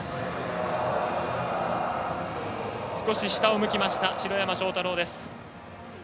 少し下を向きました城山正太郎。